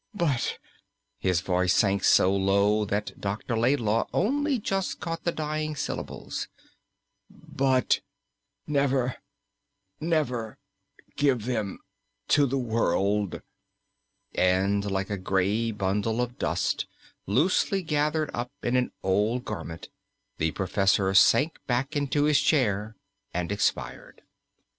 But" his voice sank so low that Dr. Laidlaw only just caught the dying syllables "but never, never give them to the world." And like a grey bundle of dust loosely gathered up in an old garment the professor sank back into his chair and expired.